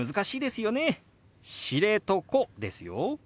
「知床」ですよ。